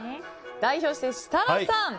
代表して、設楽さん。